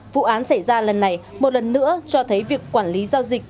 vụ án xảy ra lần này một lần nữa cho thấy việc quản lý giao dịch